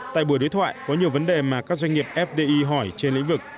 tại buổi đối thoại có nhiều vấn đề mà các doanh nghiệp fdi hỏi trên lĩnh vực